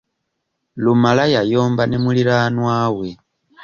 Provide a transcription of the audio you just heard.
Lumala yayomba ne muliraanwawe.